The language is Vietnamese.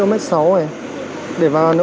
mình có giấy xét nghiệm âm tính